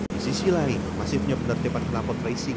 di sisi lain masifnya penertipan kenalpot racing